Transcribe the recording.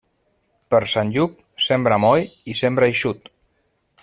Per Sant Lluc, sembra moll i sembra eixut.